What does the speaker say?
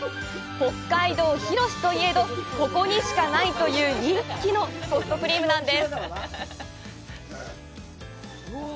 北海道広しといえど、ここにしかないという、人気のソフトクリームなんです。